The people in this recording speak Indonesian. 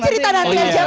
oh cerita nanti aja pak